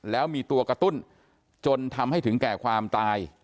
แล้วมีตัวกระตุ้นจนทำให้ถึงแก่ความตาย